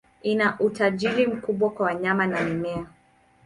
Ina utajiri mkubwa wa wanyama na mimea.